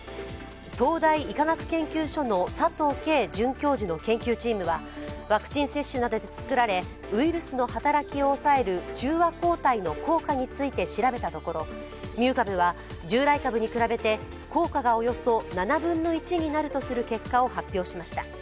東大医科学研究所の佐藤佳准教授の研究チームはワクチン接種などで作られ、ウイルスの働きを抑える中和抗体の効果について調べたところミュー株は従来株に比べて効果がおよそ７分の１になるとする結果を発表しました。